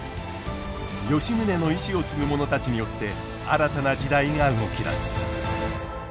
吉宗の遺志を継ぐ者たちによって新たな時代が動き出す。